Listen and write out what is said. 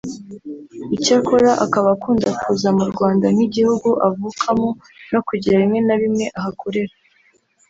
icyakora akaba akunda kuza mu Rwanda nk’igihugu avukamo no kugira bimwe na bimwe ahakorera